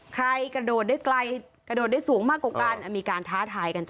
กระโดดได้ไกลกระโดดได้สูงมากกว่ากันมีการท้าทายกันต่อ